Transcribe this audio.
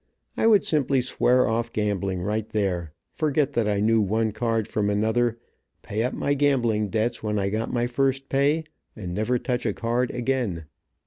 I would simply swear off gambling right there, forget that I knew one card from another, pay up my gambling debts when I got my first pay, and never touch a card again.